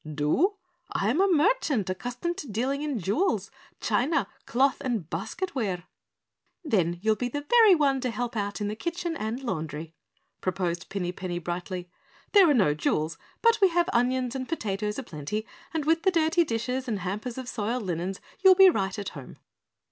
"Do? I am a merchant accustomed to dealing in jewels, china, cloth, and basket wear." "Then you'll be the very one to help out in the kitchen and laundry," proposed Pinny Penny brightly. "There are no jewels, but we have onions and potatoes a plenty, and with the dirty dishes and hampers of soiled linens you will be right at home."